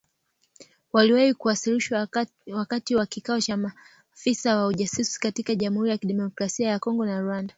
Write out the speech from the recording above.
“Waliwahi kuwasilishwa wakati wa kikao cha maafisa wa ujasusi kati ya Jamuhuri ya Kidemokrasia ya Kongo na Rwanda"